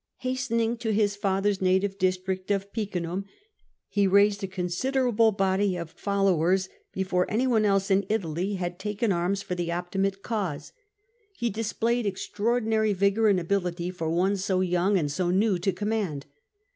Hastening to his father's native district of Picenum, he raised a considerable body of followers, before any one else in Italy had taken arms for the Optimate POMPEY IN AFRICA 239 cause. He displayed extraordinary vigour and ability for one so young and so new to command.